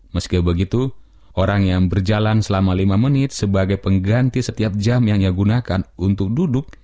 meski begitu orang yang berjalan selama lima menit sebagai pengganti setiap jam yang digunakan untuk duduk